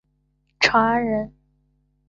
长安人。